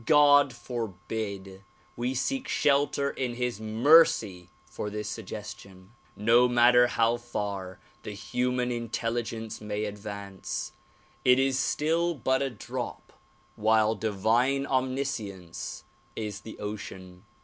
God forbid! We seek shelter in his mercy for this suggestion ! No matter how far the human intel ligence may advance, it is still but a drop while divine omniscience is the ocean.